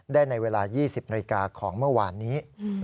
ได้ในเวลา๒๐นาทีของเมื่อวานนี้